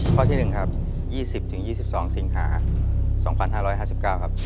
ข้อที่๑ครับ๒๐๒๒สิงหา๒๕๕๙ครับ